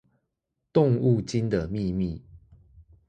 動物精的祕密